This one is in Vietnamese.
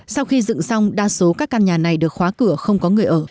sau khi dựng xong đa số các căn nhà này được khóa cửa không có người ở